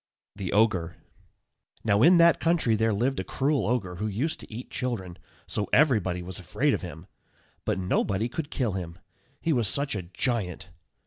THE OGRE. Now, in that country there lived a cruel ogre, who used to eat children, so everybody was afraid of him; but nobody could kill him, he was such a giant.